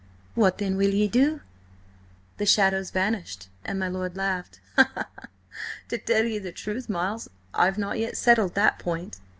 "What then will you do?" The shadows vanished, and my lord laughed. "To tell you the truth, Miles, I've not yet settled that point.